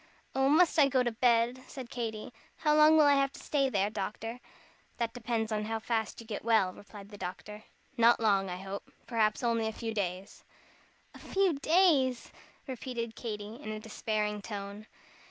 "Oh, must I go to bed?" said Katy. "How long will I have to stay there, doctor?" "That depends on how fast you get well," replied the doctor; "not long, I hope. Perhaps only a few days. "A few days!" repeated Katy, in a despairing tone.